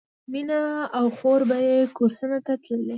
مینه او خور به یې کورسونو ته تللې